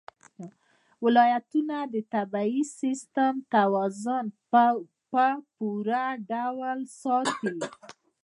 ولایتونه د طبعي سیسټم توازن په پوره ډول ساتي.